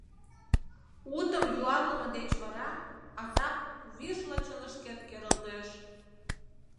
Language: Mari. Утым юарлыме деч вара азап вӱржла чонышкет керылтеш.